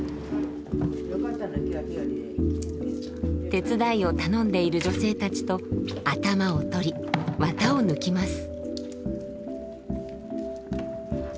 手伝いを頼んでいる女性たちと頭を取りわたを抜きます。